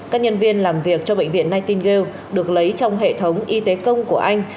các nhân viên làm việc cho bệnh viện nightingale được lấy trong hệ thống y tế công của anh